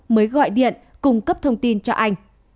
mới gọi điện cung cấp thông tin cho anh